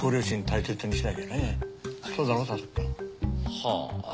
はあ。